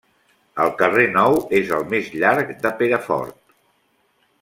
El carrer Nou és el més llarg de Perafort.